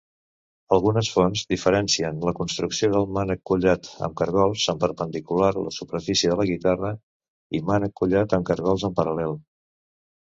Algunes fonts diferencien la construcció de mànec collat amb cargols en perpendicular a la superfície de la guitarra i mànec collat amb cargols en paral·lel.